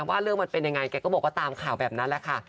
ว่าเรื่องมันเป็นยังไงแกก็บอกว่าตามข่าวแบบนั้นแหละค่ะ